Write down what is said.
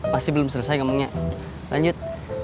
pasti belum selesai ngomongnya lanjut